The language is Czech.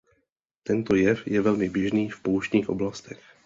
Tento jev je velmi běžný v pouštních oblastech.